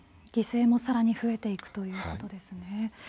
犠牲もさらに増えていくということですね。